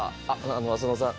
浅野さん